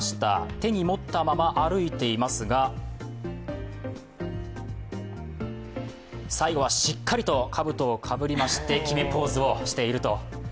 手に持ったまま歩いていますが、最後はしっかりとかぶとをかぶりまして決めポーズをしていると。